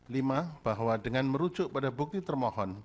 lima bahwa dengan merujuk pada bukti termohon